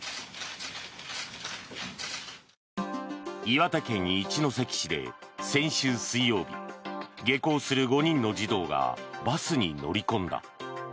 岩手県一関市で先週水曜日下校する５人の児童がバスに乗り込んだ。